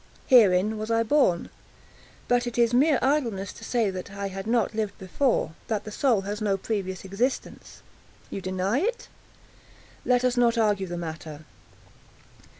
Herein was I born. But it is mere idleness to say that I had not lived before—that the soul has no previous existence. You deny it?—let us not argue the matter.